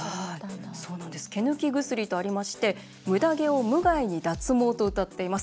「毛ぬき薬」とありまして「ムダ毛を無害に脱毛」とうたっています。